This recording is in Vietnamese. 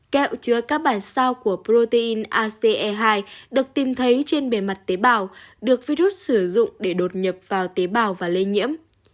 kẹo chứa các bản sao của protein ace hai được tìm thấy trên bề mặt tế bào được virus sử dụng để đột nhập vào tế bào và lây nhiễm